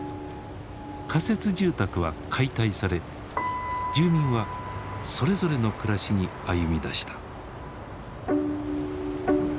仮設住宅は解体され住民はそれぞれの暮らしに歩みだした。